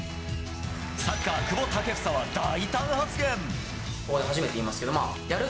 サッカー久保建英は大胆発言。